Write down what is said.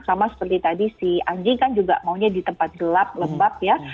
sama seperti tadi si anjing kan juga maunya ditempat gelap lembab ya